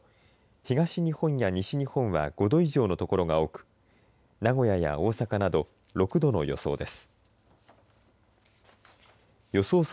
東日本や西日本は５度以上の所が多く名古屋や大阪など６度の予想です。